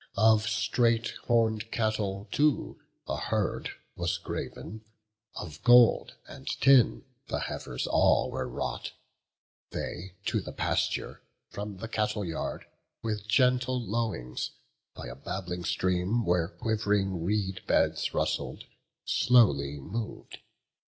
Of straight horn'd cattle too a herd was grav'n; Of gold and tin the heifers all were wrought: They to the pasture, from the cattle yard, With gentle lowings, by a babbling stream, Where quiv'ring reed beds rustled, slowly mov'd.